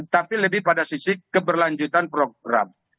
tapi lebih pada sisi keberlanjutan program